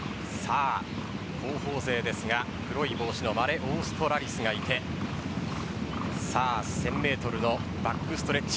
後方勢ですが黒い帽子のマレオーストラリスがいて１０００ｍのバックストレッチ。